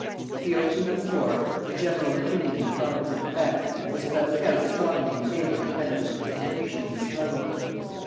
At the opening of the war, the general opinion in the Province of Quebec was without doubt strongly in favor of Canada's participation in the struggle.